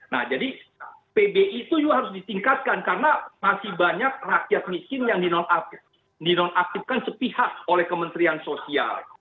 nah jadi pbi itu juga harus ditingkatkan karena masih banyak rakyat miskin yang dinonaktifkan sepihak oleh kementerian sosial